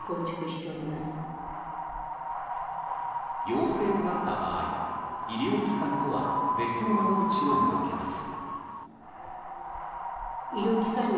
陽性となった場合医療機関とは別の窓口を設けます。